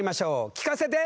聞かせて！